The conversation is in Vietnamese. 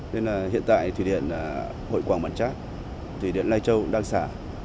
nên hiện tại thủy điện hội quảng mặt trác thủy điện lai châu đang xả